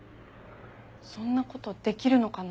そんなことできるのかな？